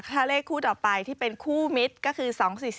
ถ้าเลขคู่ต่อไปที่เป็นคู่มิตรก็คือ๒๔๔